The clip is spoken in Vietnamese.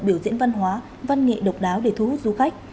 biểu diễn văn hóa văn nghệ độc đáo để thu hút du khách